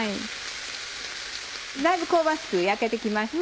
だいぶ香ばしく焼けて来ました。